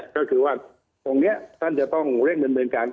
ก็คือว่าตรงนี้ท่านจะต้องเร่งดำเนินการ